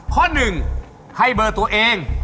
ข้อหนึ่งให้เบอร์ตัวเอง